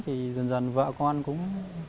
thì dần dần vợ con cũng